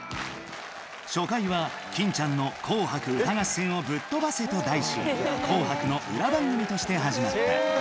初回は「欽ちゃんの紅白歌合戦をブッとばせ！」と題し紅白の裏番組として始まった。